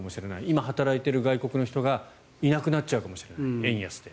今、働いている外国人の方がいなくなっちゃうかもしれない円安で。